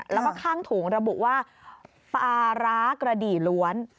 แล้วก็ข้างถุงระบุว่าปลาร้ากระดี่ล้วน